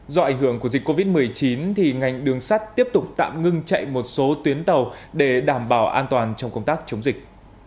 do ảnh hưởng của dịch covid một mươi chín ngành đường sắt tiếp tục tạm ngưng chạy một số tuyến tàu để đảm bảo an toàn trong công tác chống dịch